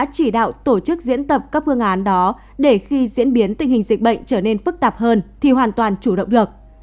chỉ đạo tổ chức diễn tập các phương án đó để khi diễn biến tình hình dịch bệnh trở nên phức tạp hơn thì hoàn toàn chủ động được